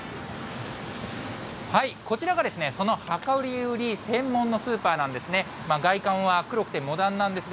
こちらが、その量り売り専門のスーパーなんですね。